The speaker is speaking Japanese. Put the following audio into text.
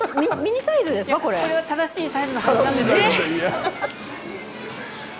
正しいサイズのはずなんですよね。